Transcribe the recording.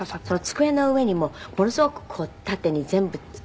机の上にもものすごく縦に全部。